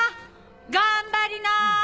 頑張りな！